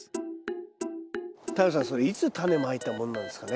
太陽さんそれいつタネまいたものなんですかね？